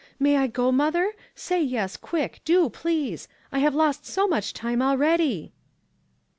May I go, mother? Say yes quick ; do, please. I have lost so much time already."